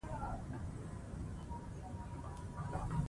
ښوونه او روزنه د هري ټولني د پرمختګ له پاره اساسي ضرورت دئ.